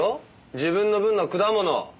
自分の分の果物。